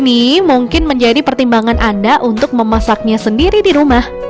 ini mungkin menjadi pertimbangan anda untuk memasaknya sendiri di rumah